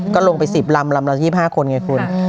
ก็ลงไป๑๐ลำลำละ๒๕คนไงคุณ